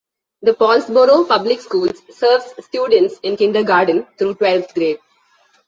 The Paulsboro Public Schools serves students in kindergarten through twelfth grade.